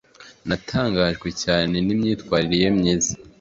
natangajwe cyane n'imyitwarire ye myiza